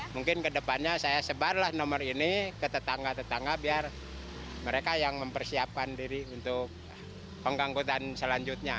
mungkin kedepannya saya sebarlah nomor ini ke tetangga tetangga biar mereka yang mempersiapkan diri untuk pengangkutan selanjutnya